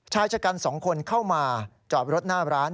ชายชะกัน๒คนเข้ามาจอดรถหน้าร้าน